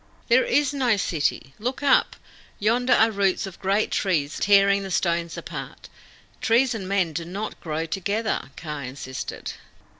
"There is no city. Look up. Yonder are roots of the great trees tearing the stones apart. Trees and men do not grow together," Kaa insisted.